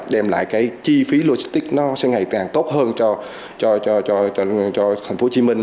đem lại cái chi phí logistics nó sẽ ngày càng tốt hơn cho thành phố hồ chí minh